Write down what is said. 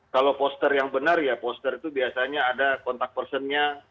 kalau poster yang benar ya poster itu biasanya ada kontak personnya